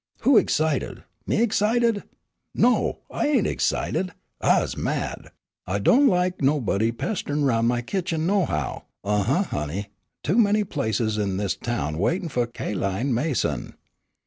"Who excited? Me excited? No, I ain't excited. I's mad. I do' lak nobody pesterin' 'roun' my kitchen, nohow, huh, uh, honey. Too many places in dis town waitin' fu' Ca'line Mason.